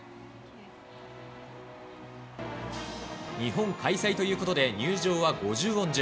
日本開催ということで、入場は五十音順。